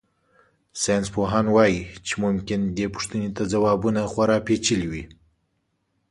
ساینسپوهان وایي چې ممکن دې پوښتنې ته ځوابونه خورا پېچلي وي.